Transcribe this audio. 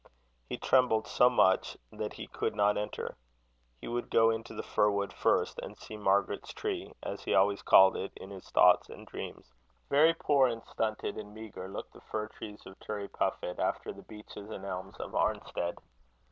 He trembled so much that he could not enter. He would go into the fir wood first, and see Margaret's tree, as he always called it in his thoughts and dreams. Very poor and stunted and meagre looked the fir trees of Turriepuffit, after the beeches and elms of Arnstead.